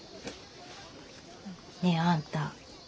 ねえあんた